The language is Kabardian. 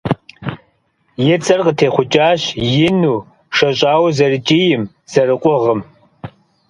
И цӀэр къытехъукӀащ ину, шэщӀауэ зэрыкӀийм, зэрыкъугъым.